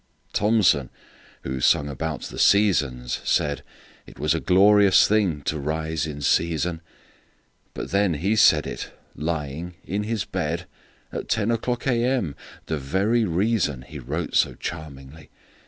Thomson, who sung about the "Seasons," saidIt was a glorious thing to rise in season; But then he said it—lying—in his bed, At ten o'clock A.M.,—the very reasonHe wrote so charmingly.